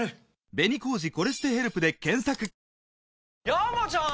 山ちゃん！